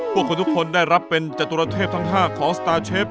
พวกคุณทุกคนได้รับเป็นจตุรเทพทั้ง๕ของสตาร์เชฟ